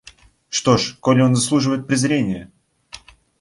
Что ж, коли он заслуживает презрения!